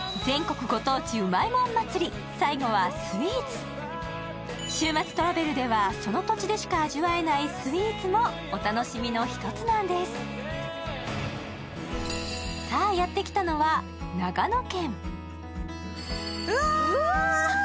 最後はスイーツ週末トラベルではその土地でしか味わえないスイーツもお楽しみの一つなんですさあやってきたのはうわ！